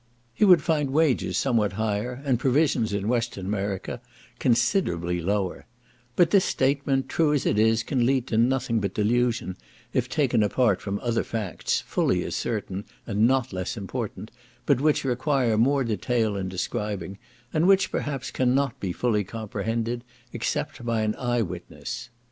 He would find wages somewhat higher, and provisions in Western America considerably lower: but this statement, true as it is, can lead to nothing but delusion if taken apart from other facts, fully as certain, and not less important, but which require more detail in describing, and which perhaps cannot be fully comprehended, except by an eye witness.